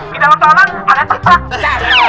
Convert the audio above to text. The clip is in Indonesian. di dalam talang ada cipat